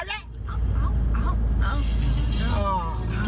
ผมถึงว่าอ้าวใช่ไม่แค่อย่างงั้น